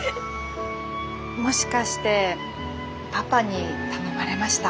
もしかしてパパに頼まれました？